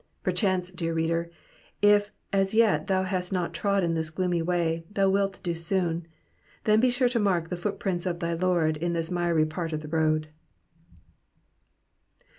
Per chance, dear reader, if as yet thou hast not trodden this gloomy way, thou wilt do soon ; then be sure to mark the footprints of thy Lord in this miry part of the road.